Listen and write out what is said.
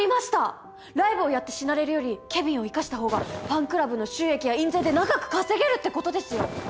ライブをやって死なれるよりケビンを生かしたほうがファンクラブの収益や印税で長く稼げるって事ですよ！